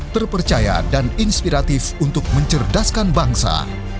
terpercaya dan inspiratif untuk mencerdaskan bangsa